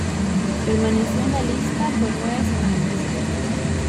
Permaneció en la lista por nueve semanas.